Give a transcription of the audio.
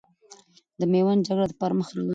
د میوند جګړه پرمخ روانه ده.